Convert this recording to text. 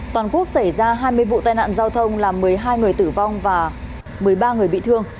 toàn quốc xảy ra hai mươi vụ tai nạn giao thông làm một mươi hai người tử vong và một mươi ba người bị thương